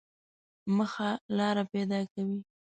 مخه لاره پاکوي.